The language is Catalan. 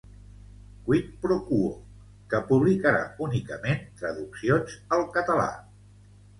Quid pro Quo, que publicarà únicament traduccions al català.